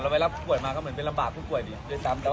หลงหลงหลงหลงหลงหลงหลงหลงหลงหลงหลงหลงหลง